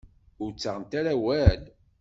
Ur ttaɣent ara awal.